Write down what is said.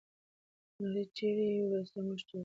نړۍ چیرته ورسیده او موږ چیرته؟